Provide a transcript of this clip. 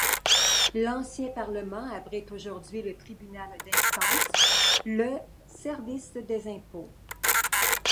L'ancien parlement abrite aujourd'hui le tribunal d'instance, le et le service des impôts.